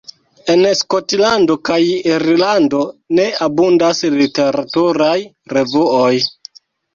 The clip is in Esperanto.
En Skotlando kaj Irlando ne abundas literaturaj revuoj.